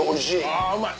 あぁうまい！